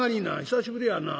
久しぶりやな。